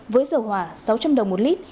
với dầu hỏa sáu trăm linh đồng một lít